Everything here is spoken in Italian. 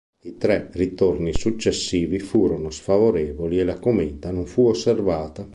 I tre ritorni successivi furono sfavorevoli e la cometa non fu osservata.